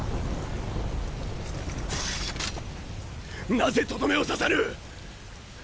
何故とどめを刺さぬ！